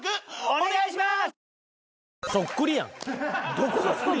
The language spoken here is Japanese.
お願いします！